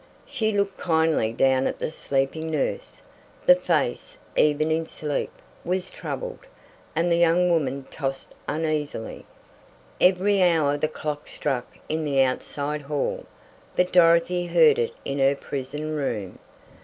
She looked kindly down at the sleeping nurse. The face, even in sleep, was troubled, and the young woman tossed uneasily. Every hour the clock struck in the outside hall, but Dorothy heard it in her prison room.